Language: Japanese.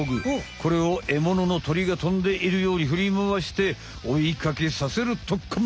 これをエモノの鳥がとんでいるようにふりまわして追いかけさせるとっくん。